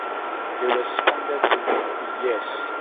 They responded with the Yes!